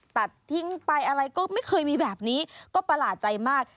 ตัดทิ้งไปอะไรก็ไม่เคยมีแบบนี้ก็ประหลาดใจมาก